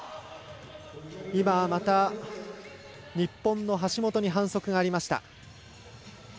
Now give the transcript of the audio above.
また、日本の橋本に反則がありました。